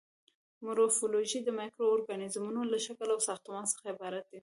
مورفولوژي د مایکرو ارګانیزمونو له شکل او ساختمان څخه عبارت دی.